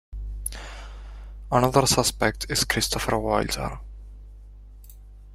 Another suspect is Christopher Wilder.